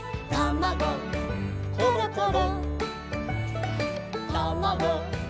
「たまごころころ」